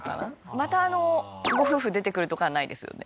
またあのご夫婦出てくるとかはないですよね？